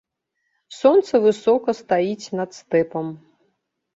Сонца высока стаіць над стэпам.